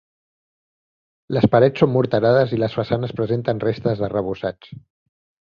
Les parets són morterades i les façanes presenten restes d'arrebossats.